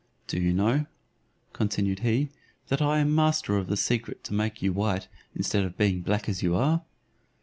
Do you know," continued he, "that I am master of the secret to make you white, instead of being black as you are?"